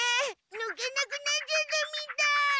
ぬけなくなっちゃったみたい。